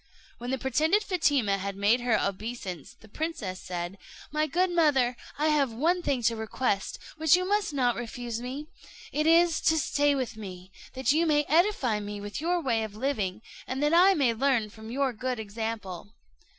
When the pretended Fatima had made her obeisance, the princess said, "My good mother, I have one thing to request, which you must not refuse me; it is, to stay with me, that you may edify me with your way of living, and that I may learn from your good example."